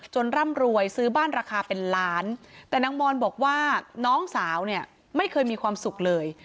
ร่ำรวยซื้อบ้านราคาเป็นล้านแต่นางมอนบอกว่าน้องสาวเนี่ยไม่เคยมีความสุขเลย